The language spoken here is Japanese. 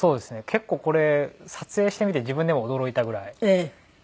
結構これ撮影してみて自分でも驚いたぐらい波に見えましたね。